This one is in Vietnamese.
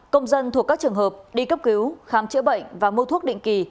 công dân thuộc các trường hợp đi cấp cứu khám chữa bệnh và mua thuốc định kỳ